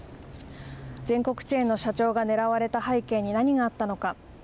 全国チェーンの社長が狙われた背景に何があったのか。